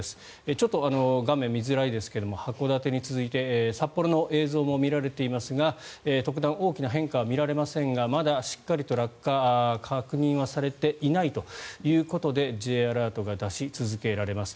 ちょっと画面、見づらいですが函館に続いて札幌の映像も見られていますが特段大きな変化は見られませんがまだしっかりと落下は確認されていないということでＪアラートが出し続けられます。